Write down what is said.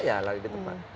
ya lagi di depan